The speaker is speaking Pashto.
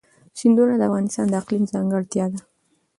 سیندونه د افغانستان د اقلیم ځانګړتیا ده.